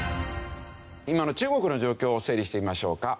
今の中国の状況を整理してみましょうか。